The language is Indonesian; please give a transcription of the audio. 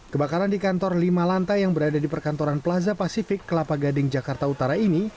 kebakaran di kantor lima lantai yang berada di perkantoran plaza pasifik kelapa gading jakarta utara ini